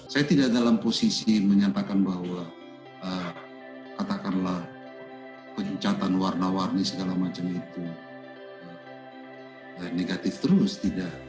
saya tidak dalam posisi menyatakan bahwa katakanlah penyucatan warna warni segala macam itu negatif terus tidak